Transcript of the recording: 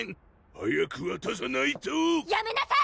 早くわたさないとやめなさい！